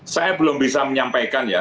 saya belum bisa menyampaikan ya